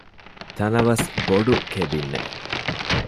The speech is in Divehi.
ތަނަވަސް ބޮޑު ކެބިންއެއް